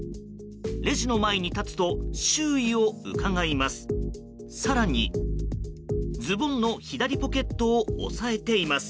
レジの前に立つと周囲をうかがいます。